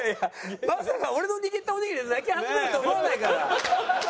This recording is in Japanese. まさか俺の握ったおにぎりで泣き始めると思わないから。